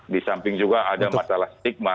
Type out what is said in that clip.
di samping juga ada masalah stigma